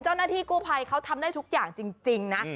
เจ้าหน้าที่กู้ภัยเขาทำได้ทุกอย่างจริงนะ